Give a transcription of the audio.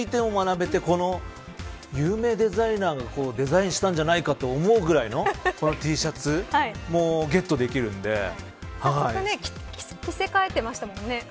ＳＤＧｓについても学べて有名デザイナーがデザインしたかと思うぐらいのＴシャツもゲットできるので早速着せ替えてましたもんね。